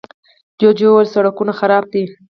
جوجو وويل، سړکونه خراب دي.